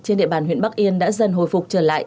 trên địa bàn huyện bắc yên đã dần hồi phục trở lại